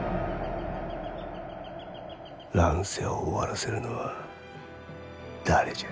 乱世を終わらせるのは誰じゃ。